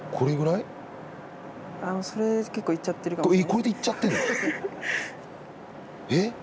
これでいっちゃってるの？